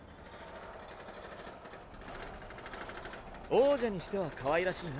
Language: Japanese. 王者にしてはかわいらしいな。